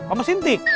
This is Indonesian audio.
atau mesin tik